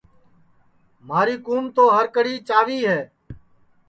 مھاری کُُوم تو ہر کڑھی چاوی ہے